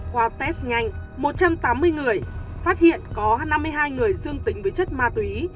qua test nhanh một trăm tám mươi người phát hiện có năm mươi hai người dương tính với chất ma túy